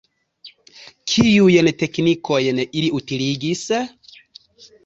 Kiujn teknikojn ili utiligis?